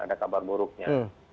ada kabar buruknya